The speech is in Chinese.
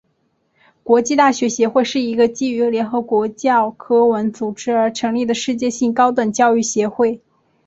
国际大学协会是一个基于联合国教科文组织而成立的世界性高等教育协会。